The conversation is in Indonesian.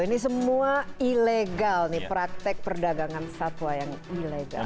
ini semua ilegal nih praktek perdagangan satwa yang ilegal